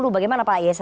bagaimana pak is is